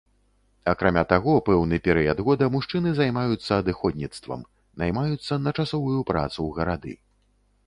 Акрамя таго, пэўны перыяд года мужчыны займаюцца адыходніцтвам, наймаюцца на часовую працу ў гарады.